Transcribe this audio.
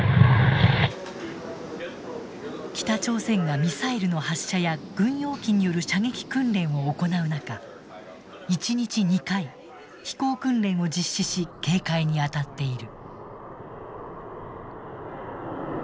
北朝鮮がミサイルの発射や軍用機による射撃訓練を行う中一日２回飛行訓練を実施し警戒に当たっている。